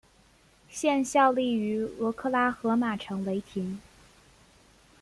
现效力于俄克拉何马城雷霆。